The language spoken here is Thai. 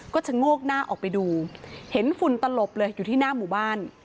ก็ชะโงกหน้าออกไปดูเห็นฝุ่นตลบเลยอยู่ที่หน้าหมู่บ้าน